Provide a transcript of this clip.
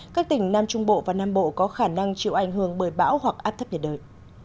các tỉnh nam trung bộ và nam bộ có khả năng chịu ảnh hưởng bởi bão hoặc áp thấp nhiệt đới